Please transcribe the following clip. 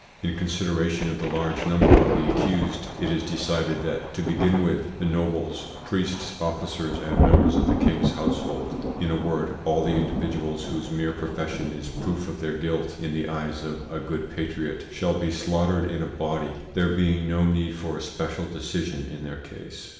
In consideration of the large number of the accused, it is decided that, to begin with, the nobles, priests, officers, and members of the king's household in a word, all the individuals whose mere profession is proof of their guilt in the eyes of a good patriot shall be slaughtered in a body, there being no need for a special decision in their case.